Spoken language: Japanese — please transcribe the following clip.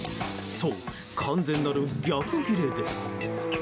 そう、完全なる逆ギレです。